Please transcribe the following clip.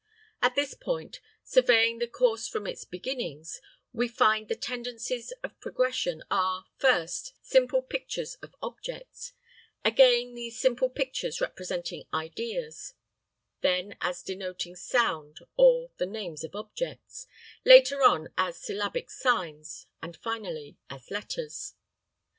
At this point, surveying the course from its beginnings, we find the tendencies of progression are, first, simple pictures of objects; again, these simple pictures representing ideas, then as denoting sound or the names of objects, later on as syllabic signs, and finally as letters.